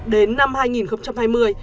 đến năm hai nghìn hai mươi